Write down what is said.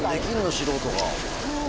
素人が。